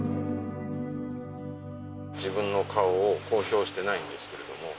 自分の顔を公表してないんですけれども。